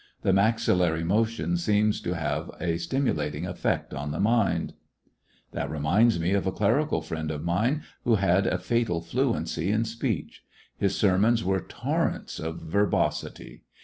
The maxillary motion seems to have a stimulating effect on the mind. That reminds me of a clerical friend of mine Unconscious who had a fatal fluency in speech. His ser mons were torrents of verbosity.